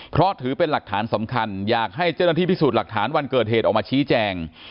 เพราะถือเป็นหลักฐานสำคัญอยากให้เจ้าหน้าที่พิสูจน์หลักฐานวันเกิดเหตุออกมาชี้แจง